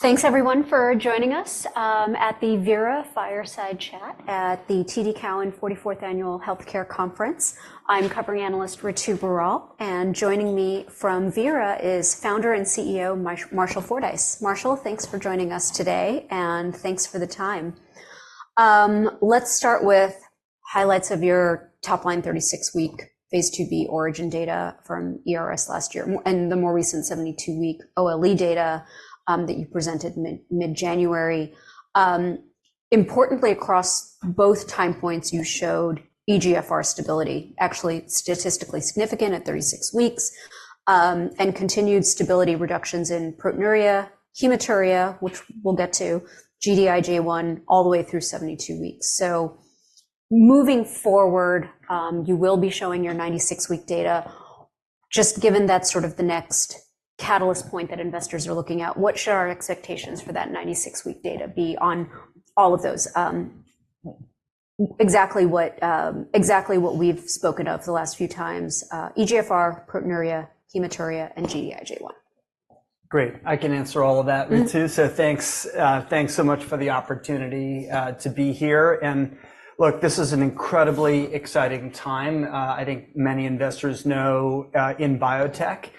Thanks, everyone, for joining us at the Vera Fireside Chat at the TD Cowen 44th Annual Healthcare Conference. I'm covering analyst Ritu Baral, and joining me from Vera is founder and CEO Marshall Fordyce. Marshall, thanks for joining us today, and thanks for the time. Let's start with highlights of your top-line 36-week phase II-B ORIGIN data from ERS last year and the more recent 72-week OLE data that you presented mid-January. Importantly, across both time points, you showed eGFR stability, actually statistically significant at 36 weeks, and continued stability reductions in proteinuria, hematuria, which we'll get to, Gd-IgA1 all the way through 72 weeks. So moving forward, you will be showing your 96-week data. Just given that's sort of the next catalyst point that investors are looking at, what should our expectations for that 96-week data be on all of those, exactly what, exactly what we've spoken of the last few times: eGFR, proteinuria, hematuria, and Gd-IgA1? Great. I can answer all of that, Ritu. Thanks so much for the opportunity to be here. Look, this is an incredibly exciting time. I think many investors know that in biotech,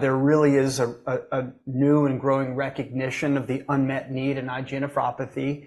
there really is a new and growing recognition of the unmet need in IgA nephropathy.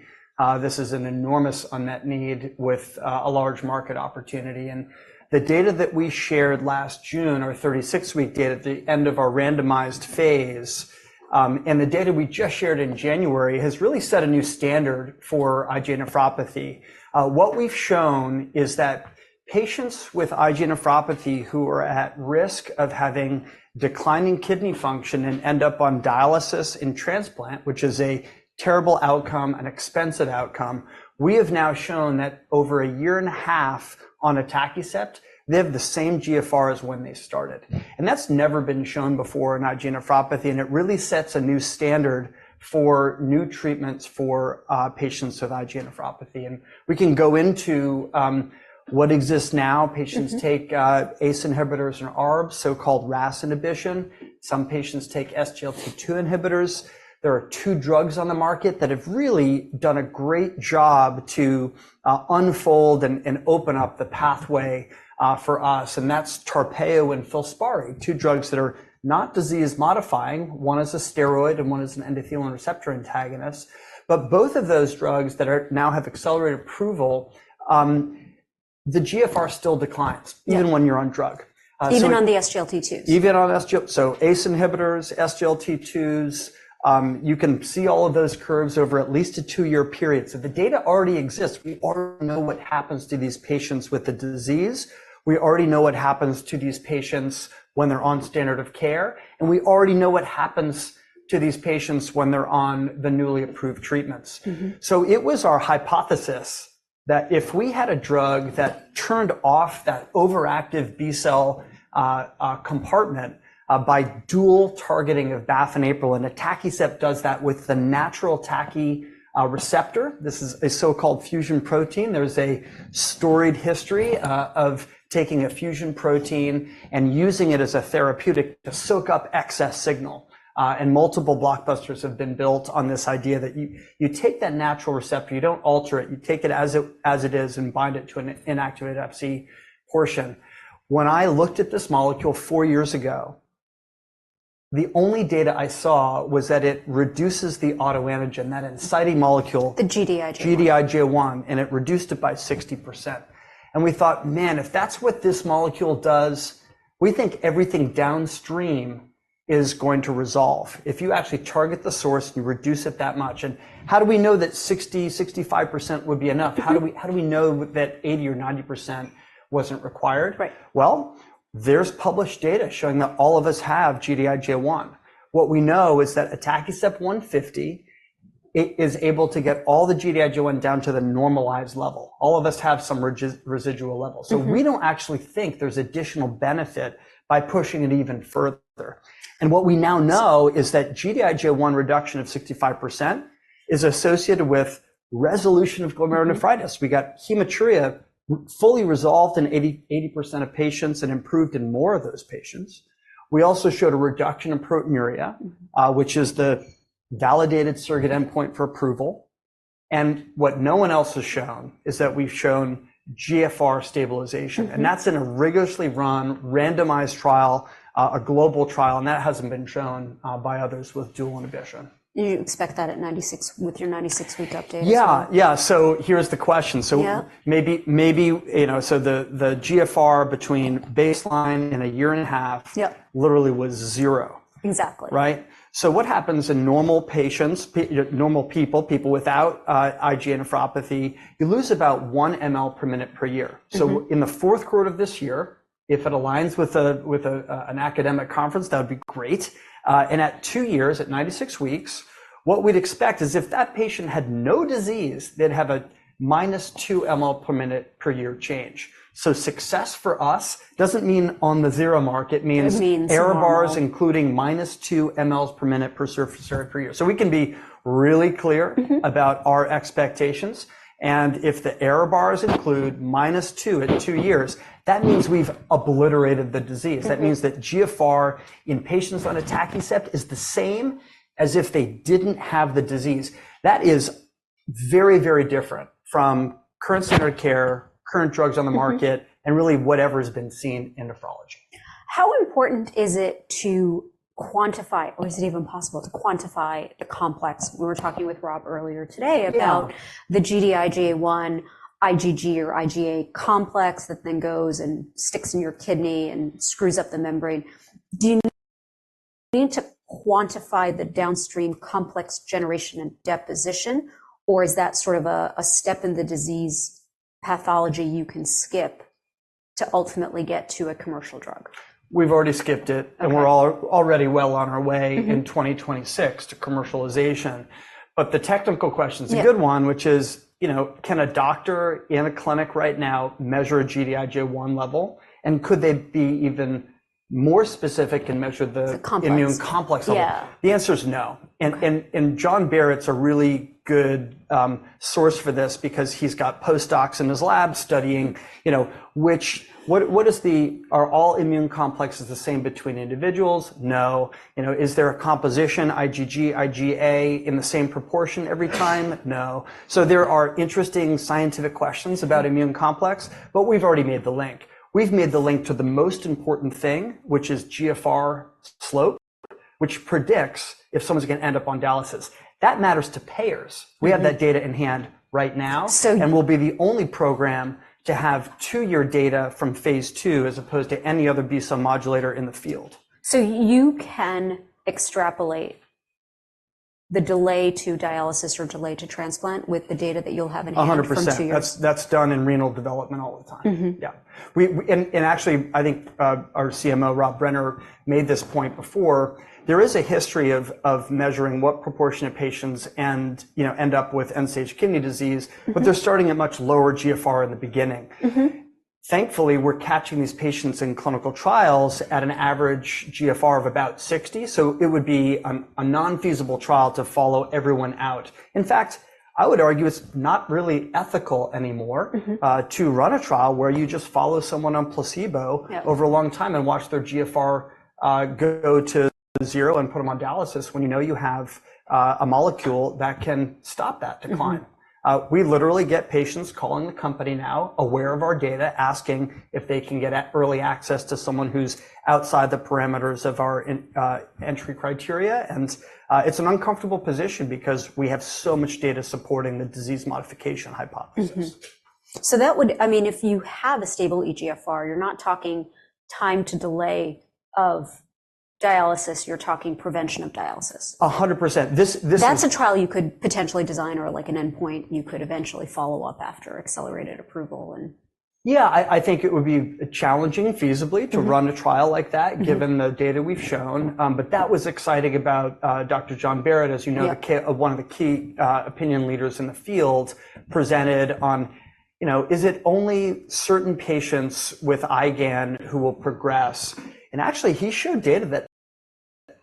This is an enormous unmet need with a large market opportunity. And the data that we shared last June, our 36-week data at the end of our randomized phase, and the data we just shared in January has really set a new standard for IgA nephropathy. What we've shown is that patients with IgA nephropathy who are at risk of having declining kidney function and end up on dialysis and transplant, which is a terrible outcome, an expensive outcome, we have now shown that over a year and a half on atacicept, they have the same GFR as when they started. That's never been shown before in IgA nephropathy, and it really sets a new standard for new treatments for patients with IgA nephropathy. We can go into what exists now. Patients take ACE inhibitors and ARBs, so-called RAAS inhibition. Some patients take SGLT2 inhibitors. There are two drugs on the market that have really done a great job to unfold and open up the pathway for us. That's Tarpeyo and Filspari, two drugs that are not disease-modifying. One is a steroid, and one is an endothelin receptor antagonist. But both of those drugs that now have accelerated approval, the GFR still declines, even when you're on drug. Even on the SGLT2s? Even on SGLT2s. So ACE inhibitors, SGLT2s, you can see all of those curves over at least a two-year period. So the data already exists. We already know what happens to these patients with the disease. We already know what happens to these patients when they're on standard of care. And, we already know what happens to these patients when they're on the newly approved treatments. So, it was our hypothesis that if we had a drug that turned off that overactive B-cell compartment by dual targeting of BAFF and APRIL, and atacicept does that with the natural TACI receptor, this is a so-called fusion protein. There's a storied history of taking a fusion protein and using it as a therapeutic to soak up excess signal. Multiple blockbusters have been built on this idea that you take that natural receptor, you don't alter it, you take it as it is and bind it to an inactivated Fc portion. When I looked at this molecule four years ago, the only data I saw was that it reduces the autoantigen, that inciting molecule. The Gd-IgA1. Gd-IgA1, and it reduced it by 60%. And we thought, man, if that's what this molecule does, we think everything downstream is going to resolve. If you actually target the source and you reduce it that much. And, how do we know that 60%-65% would be enough? How do we know that 80% or 90% wasn't required? Well, there's published data showing that all of us have Gd-IgA1. What we know is that atacicept 150 is able to get all the Gd-IgA1 down to the normalized level. All of us have some residual level. So we don't actually think there's additional benefit by pushing it even further. And, what we now know is that Gd-IgA1 reduction of 65% is associated with resolution of glomerulonephritis. We got hematuria fully resolved in 80% of patients and improved in more of those patients. We also showed a reduction in proteinuria, which is the validated surrogate endpoint for approval. What no one else has shown is that we've shown GFR stabilization. That's in a rigorously run randomized trial, a global trial, and that hasn't been shown by others with dual inhibition. You expect that with your 96-week update? Yeah, yeah. So here's the question. Yeah. So, maybe the GFR between baseline and a year and a half literally was zero. Exactly. Right? So what happens in normal patients, normal people, people without IgA nephropathy, you lose about 1 mL per minute per year. So, in the fourth quarter of this year, if it aligns with an academic conference, that would be great. And at two years, at 96 weeks, what we'd expect is if that patient had no disease, they'd have a -2 mL per minute per year change. So, success for us doesn't mean on the zero mark. It means error bars, including -2 mL per minute per surface area per year. So, we can be really clear about our expectations. And, if the error bars include -2 at two years, that means we've obliterated the disease. That means that GFR in patients on atacicept is the same as if they didn't have the disease. That is very, very different from current standard care, current drugs on the market, and really whatever has been seen in nephrology. How important is it to quantify, or is it even possible to quantify the complex? We were talking with Rob earlier today about the Gd-IgA1 IgG or IgA complex that then goes and sticks in your kidney and screws up the membrane. Do you need to quantify the downstream complex generation and deposition, or is that sort of a step in the disease pathology you can skip to ultimately get to a commercial drug? We've already skipped it, and we're already well on our way in 2026 to commercialization. But, the technical question is a good one, which is, can a doctor in a clinic right now measure a Gd-IgA1 level? And, could they be even more specific and measure the immune complex level? The answer is no. And John Barratt's a really good source for this because he's got postdocs in his lab studying which, what is the, are all immune complexes the same between individuals? No. Is there a composition IgG, IgA in the same proportion every time? No. So, there are interesting scientific questions about immune complex, but we've already made the link. We've made the link to the most important thing, which is GFR slope, which predicts if someone's going to end up on dialysis. That matters to payers. We have that data in hand right now, and we'll be the only program to have two-year data from phase II as opposed to any other B-cell modulator in the field. You can extrapolate the delay to dialysis or delay to transplant with the data that you'll have in hand from two years? 100%. That's done in renal development all the time. Yeah. And, actually, I think our CMO, Rob Brenner, made this point before. There is a history of measuring what proportion of patients end, you know, end up with end-stage kidney disease, but they're starting at much lower GFR in the beginning. Thankfully, we're catching these patients in clinical trials at an average GFR of about 60. So, it would be a non-feasible trial to follow everyone out. In fact, I would argue it's not really ethical anymore to run a trial where you just follow someone on placebo over a long time and watch their GFR go to zero and put them on dialysis when you know you have a molecule that can stop that decline. We literally get patients calling the company now, aware of our data, asking if they can get early access to someone who's outside the parameters of our entry criteria. It's an uncomfortable position because we have so much data supporting the disease modification hypothesis. That would, I mean, if you have a stable eGFR, you're not talking time to delay of dialysis, you're talking prevention of dialysis. 100%. That's a trial you could potentially design or like an endpoint you could eventually follow up after accelerated approval and... Yeah, I think it would be challenging, feasibly, to run a trial like that, given the data we've shown. But that was exciting about Dr. John Barratt, as you know, one of the key opinion leaders in the field presented on, is it only certain patients with IgAN who will progress? And actually, he showed data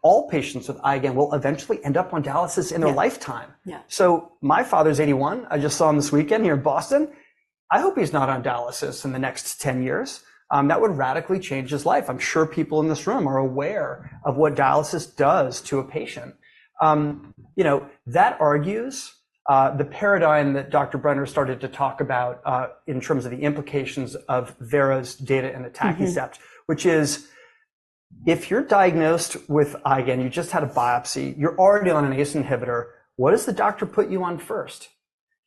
that all patients with IgAN will eventually end up on dialysis in their lifetime. So, my father's 81. I just saw him this weekend here in Boston. I hope he's not on dialysis in the next 10 years. That would radically change his life. I'm sure people in this room are aware of what dialysis does to a patient. That argues the paradigm that Dr. Brenner started to talk about in terms of the implications of Vera's data and atacicept, which is, if you're diagnosed with IgAN, you just had a biopsy, you're already on an ACE inhibitor, what does the doctor put you on first?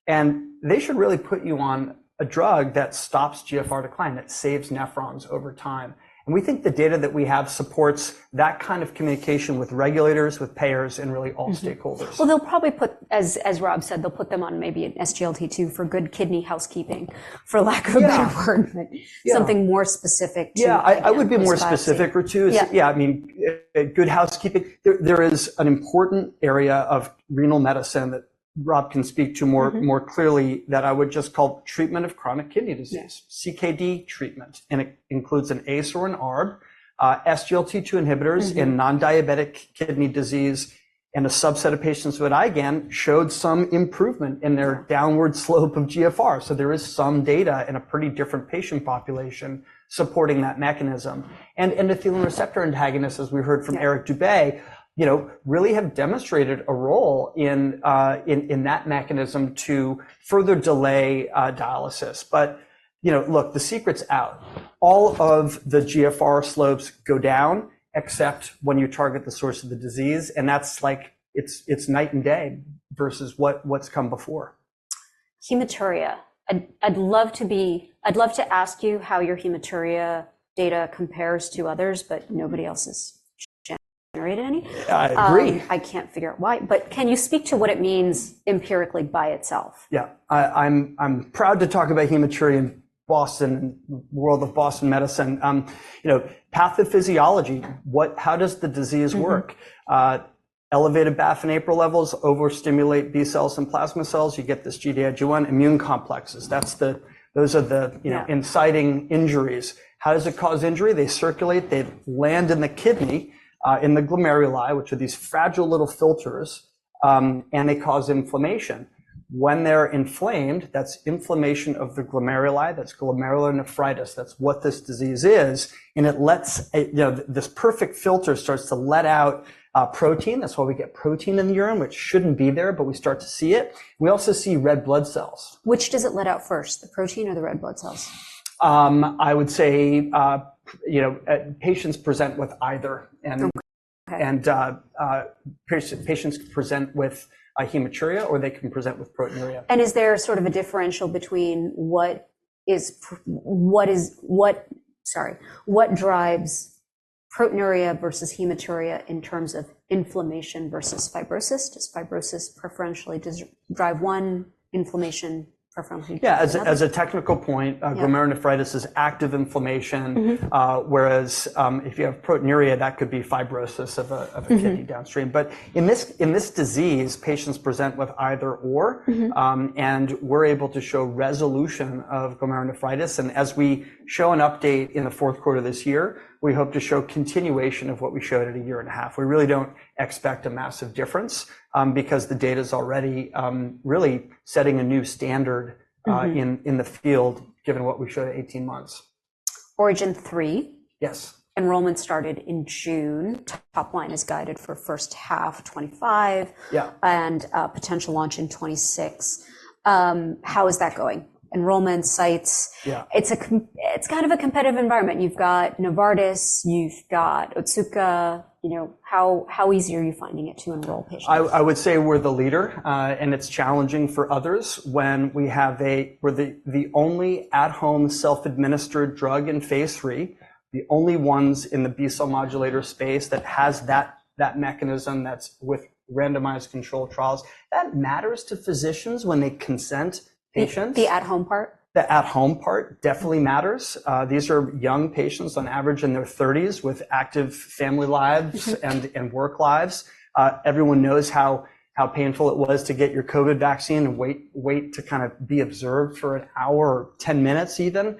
And, they should really put you on a drug that stops GFR decline, that saves nephrons over time. And, we think the data that we have supports that kind of communication with regulators, with payers, and really all stakeholders. Well, they'll probably put, as Rob said, they'll put them on maybe an SGLT2 for good kidney housekeeping, for lack of a better word, but something more specific to... Yeah, I would be more specific or two. Yeah, I mean, good housekeeping. There is an important area of renal medicine that Rob can speak to more clearly that I would just call treatment of chronic kidney disease, CKD treatment. And it includes an ACE or an ARB, SGLT2 inhibitors in non-diabetic kidney disease, and a subset of patients with IgAN showed some improvement in their downward slope of GFR. So, there is some data in a pretty different patient population supporting that mechanism. And, endothelin receptor antagonists, as we heard from Eric Dube, really have demonstrated a role in that mechanism to further delay dialysis. But look, the secret's out. All of the GFR slopes go down except when you target the source of the disease. And, that's like it's night and day versus what's come before. Hematuria. I'd love to ask you how your hematuria data compares to others, but nobody else has generated any. I agree. I can't figure out why. But can you speak to what it means empirically by itself? Yeah, I'm proud to talk about hematuria in Boston, the world of Boston medicine. Pathophysiology, how does the disease work? Elevated BAFF and APRIL levels overstimulate B-cells and plasma cells. You get this Gd-IgA1 immune complexes. Those are the inciting injuries. How does it cause injury? They circulate. They land in the kidney in the glomeruli, which are these fragile little filters, and they cause inflammation. When they're inflamed, that's inflammation of the glomeruli. That's glomerulonephritis. That's what this disease is. And this perfect filter starts to let out protein. That's why we get protein in the urine, which shouldn't be there, but we start to see it. We also see red blood cells. Which does it let out first, the protein or the red blood cells? I would say patients present with either. Patients present with hematuria, or they can present with proteinuria. Is there sort of a differential between what drives proteinuria versus hematuria in terms of inflammation versus fibrosis? Does fibrosis preferentially drive one inflammation? Yeah, as a technical point, glomerulonephritis is active inflammation, whereas if you have proteinuria, that could be fibrosis of a kidney downstream. But, in this disease, patients present with either/or, and we're able to show resolution of glomerulonephritis. And, as we show an update in the fourth quarter of this year, we hope to show continuation of what we showed at a year and a half. We really don't expect a massive difference because the data is already really setting a new standard in the field, given what we showed at 18 months. ORIGIN 3. Yes. Enrollment started in June. Top line is guided for first half 2025 and potential launch in 2026. How is that going? Enrollment sites, it's kind of a competitive environment. You've got Novartis, you've got Otsuka. How easy are you finding it to enroll patients? I would say we're the leader. It's challenging for others when we have the only at-home self-administered drug in phase III, the only ones in the B-cell modulator space that has that mechanism that's with randomized control trials. That matters to physicians when they consent patients. The at-home part? The at-home part definitely matters. These are young patients on average in their 30s with active family lives and work lives. Everyone knows how painful it was to get your COVID vaccine and wait to kind of be observed for an hour or 10 minutes even.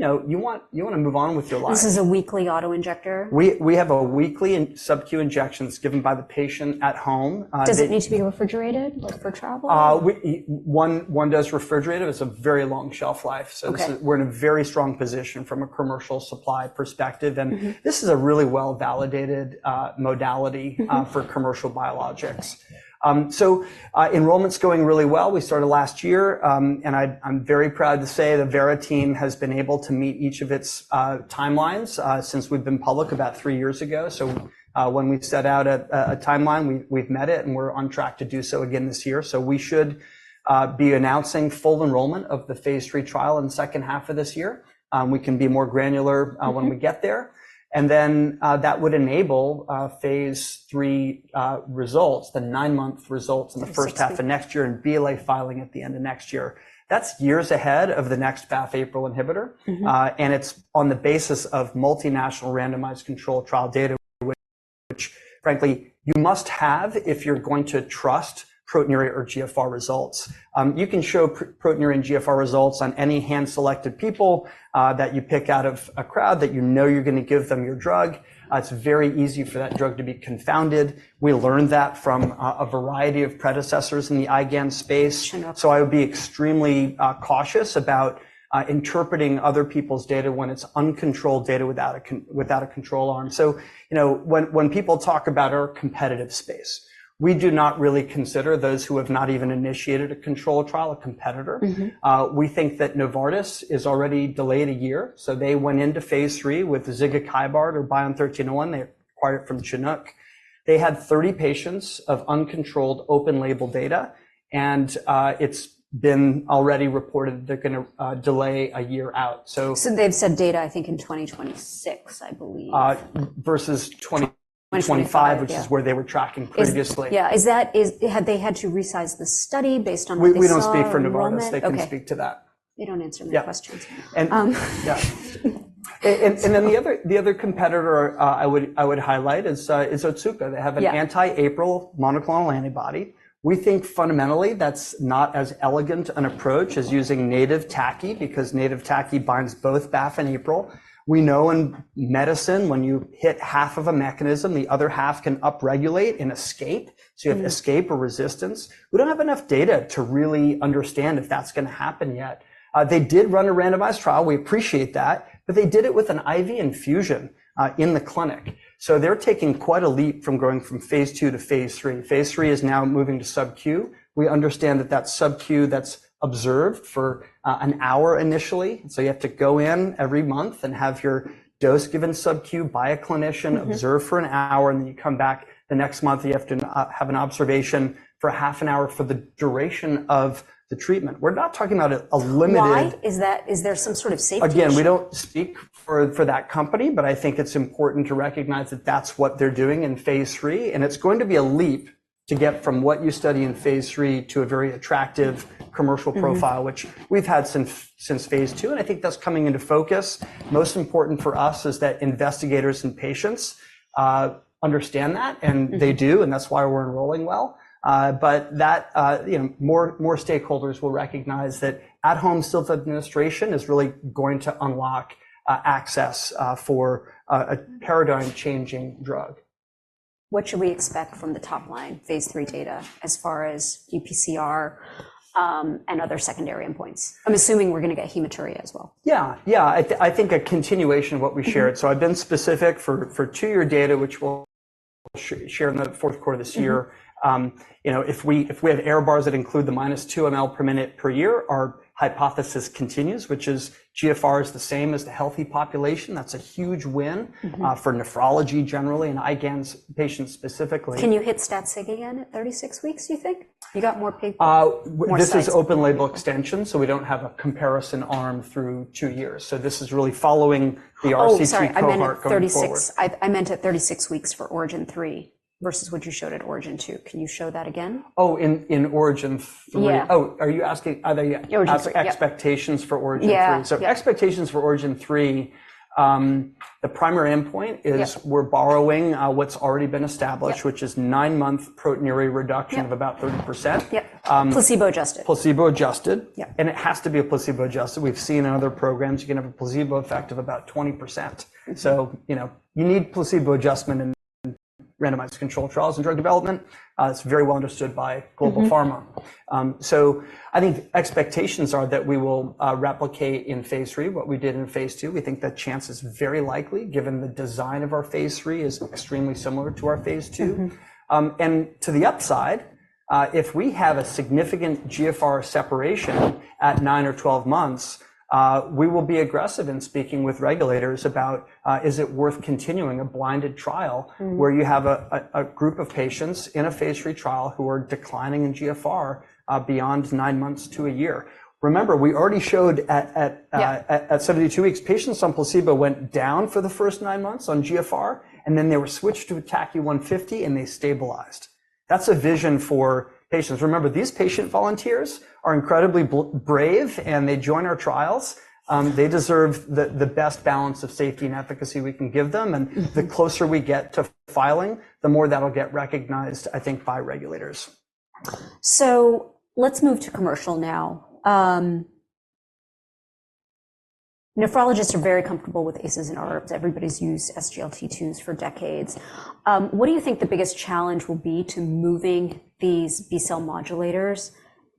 You want to move on with your life. This is a weekly auto-injector? We have a weekly and subcu injections given by the patient at home. Does it need to be refrigerated for travel? One does refrigerate it. It's a very long shelf life. So, we're in a very strong position from a commercial supply perspective. And, this is a really well-validated modality for commercial biologics. So enrollment's going really well. We started last year. And, I'm very proud to say the Vera team has been able to meet each of its timelines since we've been public about three years ago. So, when we set out a timeline, we've met it and we're on track to do so again this year. So, we should be announcing full enrollment of the phase III trial in the second half of this year. We can be more granular when we get there. And then, that would enable phase III results, the 9-month results in the first half of next year and BLA filing at the end of next year. That's years ahead of the next BAFF APRIL inhibitor. It's on the basis of multinational randomized control trial data, which frankly, you must have if you're going to trust proteinuria or GFR results. You can show proteinuria and GFR results on any hand-selected people that you pick out of a crowd that you know you're going to give them your drug. It's very easy for that drug to be confounded. We learned that from a variety of predecessors in the IgAN space. So, I would be extremely cautious about interpreting other people's data when it's uncontrolled data without a control arm. So, when people talk about our competitive space, we do not really consider those who have not even initiated a control trial a competitor. We think that Novartis is already delayed a year. So, they went into phase III with zigakibart or BION-1301. They acquired it from Chinook. They had 30 patients of uncontrolled open-label data. It's been already reported they're going to delay a year out. So they've said data, I think, in 2026, I believe. Versus 2025, which is where they were tracking previously. Yeah. Have they had to resize the study based on what they said? We don't speak for Novartis. They can speak to that. They don't answer my questions. And then, the other competitor I would highlight is Otsuka. They have an anti-APRIL monoclonal antibody. We think fundamentally that's not as elegant an approach as using native TACI because native TACI binds both BAFF and APRIL. We know in medicine when you hit half of a mechanism, the other half can upregulate and escape. So, you have escape or resistance. We don't have enough data to really understand if that's going to happen yet. They did run a randomized trial. We appreciate that. But they did it with an IV infusion in the clinic. So, they're taking quite a leap from going from phase II to phase III. Phase III is now moving to subcu. We understand that that's subcu that's observed for an hour initially. So, you have to go in every month and have your dose given subcu by a clinician, observe for an hour, and then you come back the next month. You have to have an observation for half an hour for the duration of the treatment. We're not talking about a limited... Is there some sort of safety? Again, we don't speak for that company, but I think it's important to recognize that that's what they're doing in phase III. It's going to be a leap to get from what you study in phase III to a very attractive commercial profile, which we've had since phase II. I think that's coming into focus. Most important for us is that investigators and patients understand that. They do. That's why we're enrolling well. More stakeholders will recognize that at-home self-administration is really going to unlock access for a paradigm-changing drug. What should we expect from the top-line phase III data as far as UPCR and other secondary endpoints? I'm assuming we're going to get hematuria as well. Yeah, yeah. I think a continuation of what we shared. So, I've been specific for two-year data, which we'll share in the fourth quarter this year. If we have eGFRs that include the -2 mL per minute per year, our hypothesis continues, which is GFR is the same as the healthy population. That's a huge win for nephrology generally and IgAN patients specifically. Can you hit stat sig again at 36 weeks, do you think? You got more paper. This is open-label extension. So, we don't have a comparison arm through two years. So this is really following the RC3 cohort. I meant 36 weeks for ORIGIN 3 versus what you showed at ORIGIN 2. Can you show that again? Oh, in ORIGIN 3. Oh, are you asking either expectations for ORIGIN 3? So, expectations for ORIGIN 3, the primary endpoint is we're borrowing what's already been established, which is 9-month proteinuria reduction of about 30%. Yep. Placebo-adjusted. Placebo-adjusted. It has to be placebo-adjusted. We've seen in other programs, you can have a placebo effect of about 20%. So, you need placebo adjustment in randomized control trials and drug development. It's very well understood by global pharma. So, I think expectations are that we will replicate in phase III what we did in phase II. We think that chance is very likely given the design of our phase III is extremely similar to our phase II. To the upside, if we have a significant GFR separation at nine or 12 months, we will be aggressive in speaking with regulators about is it worth continuing a blinded trial where you have a group of patients in a phase III trial who are declining in GFR beyond nine months to a year? Remember, we already showed at 72 weeks, patients on placebo went down for the first nine months on GFR, and then they were switched to TACI 150 and they stabilized. That's a vision for patients. Remember, these patient volunteers are incredibly brave and they join our trials. They deserve the best balance of safety and efficacy we can give them. And, the closer we get to filing, the more that'll get recognized, I think, by regulators. So, let's move to commercial now. Nephrologists are very comfortable with ACEs and ARBs. Everybody's used SGLT2s for decades. What do you think the biggest challenge will be to moving these B-cell modulators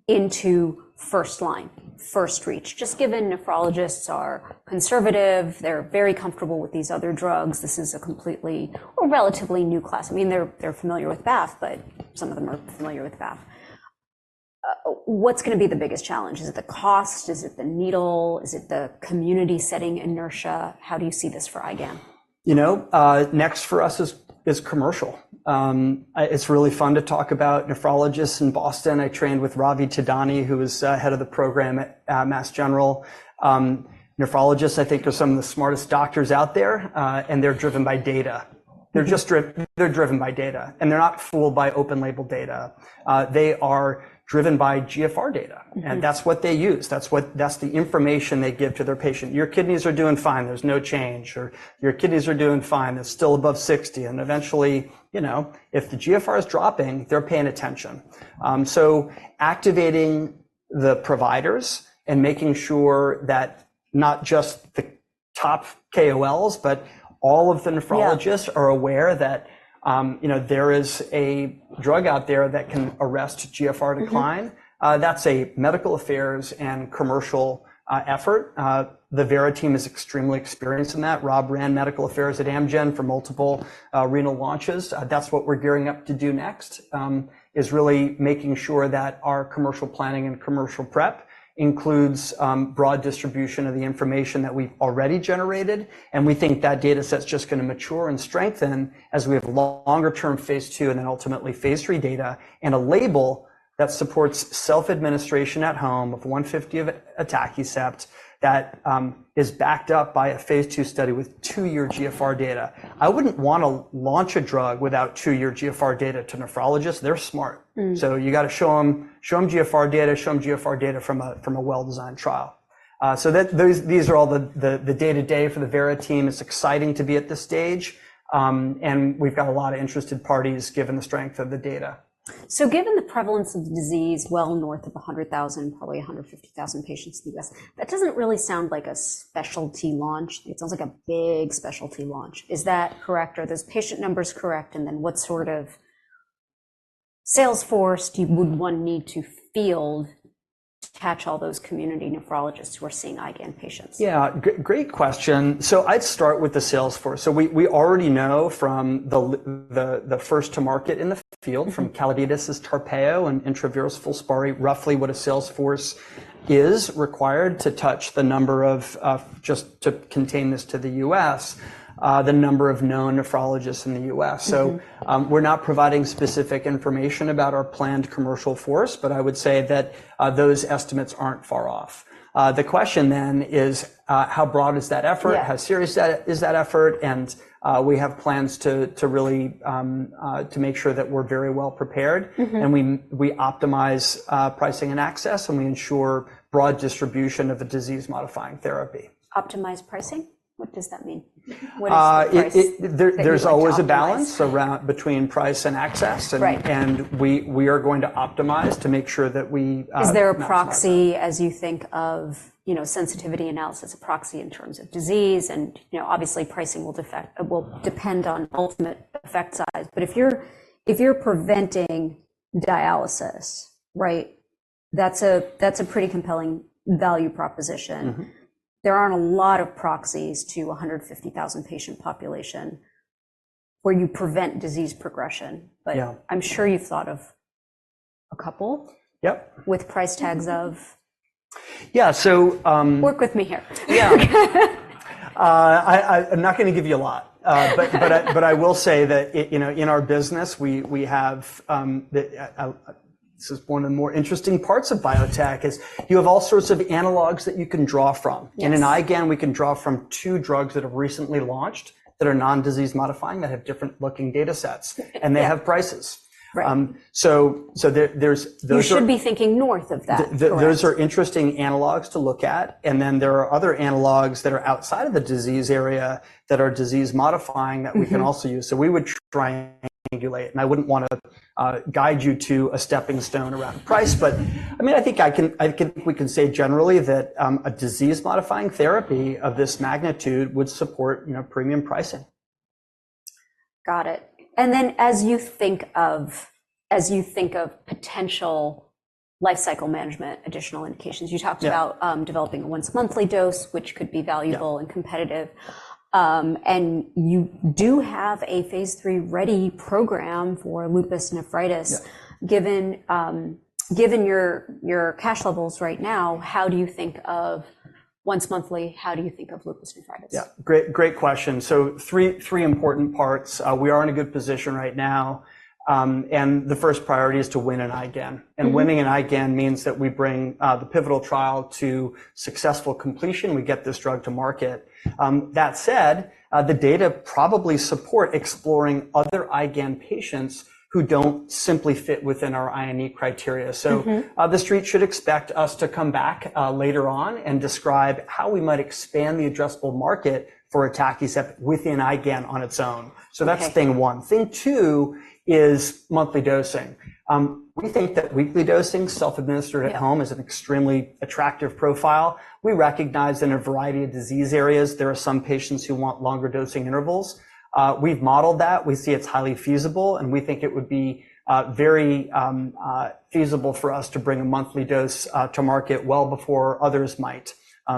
into first line, first reach? Just given nephrologists are conservative, they're very comfortable with these other drugs. This is a completely or relatively new class. I mean, they're familiar with BAFF, but some of them are familiar with BAFF. What's going to be the biggest challenge? Is it the cost? Is it the needle? Is it the community setting inertia? How do you see this for IgAN? You know, next for us is commercial. It's really fun to talk about nephrologists in Boston. I trained with Ravi Thadhani, who is head of the program at Mass General. Nephrologists, I think, are some of the smartest doctors out there. And they're driven by data. They're driven by data. And they're not fooled by open-label data. They are driven by GFR data. And that's what they use. That's the information they give to their patient. Your kidneys are doing fine. There's no change. Or, your kidneys are doing fine. They're still above 60. And eventually, if the GFR is dropping, they're paying attention. So, activating the providers and making sure that not just the top KOLs, but all of the nephrologists are aware that there is a drug out there that can arrest GFR decline. That's a medical affairs and commercial effort. The Vera team is extremely experienced in that. Rob ran medical affairs at Amgen for multiple renal launches. That's what we're gearing up to do next is really making sure that our commercial planning and commercial prep includes broad distribution of the information that we've already generated. And, we think that data set's just going to mature and strengthen as we have longer-term phase II and then ultimately phase III data and a label that supports self-administration at home of 150 of atacicept that is backed up by a phase II study with two-year GFR data. I wouldn't want to launch a drug without two-year GFR data to nephrologists. They're smart. So you got to show them GFR data, show them GFR data from a well-designed trial. So these are all the day-to-day for the Vera team. It's exciting to be at this stage. We've got a lot of interested parties given the strength of the data. So, given the prevalence of the disease, well north of 100,000, probably 150,000 patients in the U.S., that doesn't really sound like a specialty launch. It sounds like a big specialty launch. Is that correct? Are those patient numbers correct? And then what sort of sales force would one need to field to catch all those community nephrologists who are seeing IgAN patients? Yeah. Great question. So, I'd start with the sales force. So, we already know from the first-to-market in the field from Calliditas is Tarpeyo and from Travere is Filspari, roughly what a sales force is required to touch the number of just to contain this to the U.S., the number of known nephrologists in the U.S. So, we're not providing specific information about our planned commercial force, but I would say that those estimates aren't far off. The question then is, how broad is that effort? How serious is that effort? And we have plans to really make sure that we're very well prepared. And we optimize pricing and access and we ensure broad distribution of a disease-modifying therapy. Optimize pricing? What does that mean? What is the price? There's always a balance between price and access. We are going to optimize to make sure that we. Is there a proxy, as you think of sensitivity analysis, a proxy in terms of disease? And obviously, pricing will depend on ultimate effect size. But if you're preventing dialysis, right, that's a pretty compelling value proposition. There aren't a lot of proxies to a 150,000 patient population where you prevent disease progression. But, I'm sure you've thought of a couple with price tags of. Yeah. So... Work with me here. Yeah. I'm not going to give you a lot. But, I will say that in our business, we have this is one of the more interesting parts of biotech is you have all sorts of analogs that you can draw from. And in IgAN, we can draw from two drugs that have recently launched that are non-disease-modifying that have different-looking data sets. And they have prices. So, there's... You should be thinking north of that. Those are interesting analogs to look at. And then, there are other analogs that are outside of the disease area that are disease-modifying that we can also use. So, we would triangulate it. And, I wouldn't want to guide you to a stepping stone around price. But I mean, I think we can say generally that a disease-modifying therapy of this magnitude would support premium pricing. Got it. And then as you think of potential lifecycle management additional indications, you talked about developing a once-monthly dose, which could be valuable and competitive. And you do have a phase III ready program for lupus nephritis. Given your cash levels right now, how do you think of once-monthly? How do you think of lupus nephritis? Yeah. Great question. So, three important parts. We are in a good position right now. The first priority is to win an IgAN. Winning an IgAN means that we bring the pivotal trial to successful completion. We get this drug to market. That said, the data probably support exploring other IgAN patients who don't simply fit within our I&E criteria. The street should expect us to come back later on and describe how we might expand the addressable market for atacicept within IgAN on its own. So, that's thing one. Thing two is monthly dosing. We think that weekly dosing, self-administered at home, is an extremely attractive profile. We recognize in a variety of disease areas, there are some patients who want longer dosing intervals. We've modeled that. We see it's highly feasible. We think it would be very feasible for us to bring a monthly dose to market well before others might.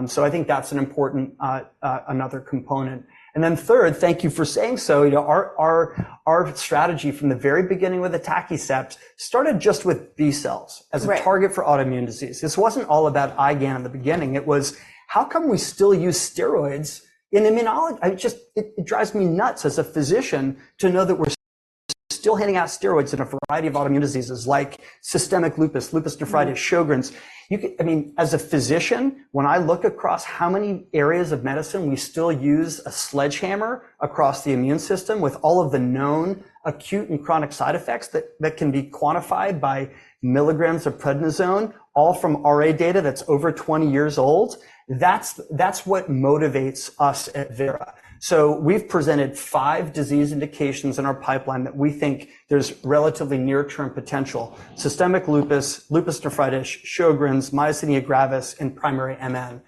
So, I think that's another component. And then third, thank you for saying so. Our strategy from the very beginning with atacicept started just with B-cells as a target for autoimmune disease. This wasn't all about IgAN in the beginning. It was, how come we still use steroids in immunology? It drives me nuts as a physician to know that we're still handing out steroids in a variety of autoimmune diseases like systemic lupus, lupus nephritis, Sjögren's. I mean, as a physician, when I look across how many areas of medicine we still use a sledgehammer across the immune system with all of the known acute and chronic side effects that can be quantified by milligrams of prednisone, all from RA data that's over 20 years old, that's what motivates us at Vera. So, we've presented five disease indications in our pipeline that we think there's relatively near-term potential: systemic lupus, lupus nephritis, Sjögren's, myasthenia gravis, and primary MN.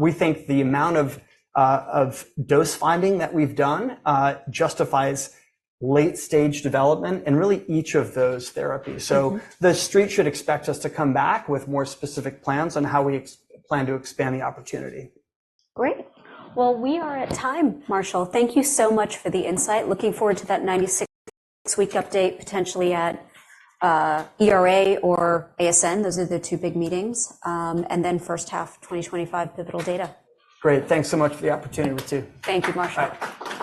We think the amount of dose finding that we've done justifies late-stage development and really each of those therapies. So, the street should expect us to come back with more specific plans on how we plan to expand the opportunity. Great. Well, we are at time, Marshall. Thank you so much for the insight. Looking forward to that 96th week update, potentially at ERA or ASN. Those are the two big meetings. And then first half 2025 pivotal data. Great. Thanks so much for the opportunity too. Thank you, Marshall. Bye.